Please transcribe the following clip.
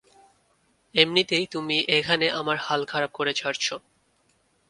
এমনিতেই তুমি এখানে আমার হাল খারাপ করে ছাড়ছো।